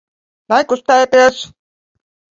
Nekustēties!